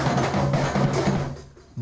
musikalitas kas islami